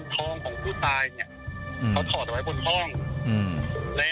ตอดไว้บนห้องทองของผู้ตาย